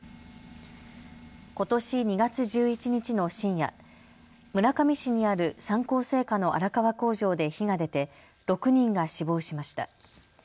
ことし２月１１日の深夜、村上市にある三幸製菓の荒川工場で火が出て６人が死亡しました。